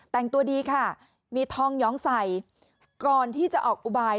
แต่งตัวดีค่ะมีทองหยองใส่ก่อนที่จะออกอุบาย